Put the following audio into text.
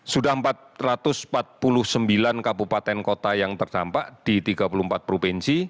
sudah empat ratus empat puluh sembilan kabupaten kota yang terdampak di tiga puluh empat provinsi